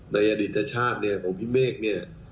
ในอดีตอชาติของพี่เมฆนี่